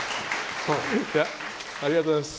ありがとうございます。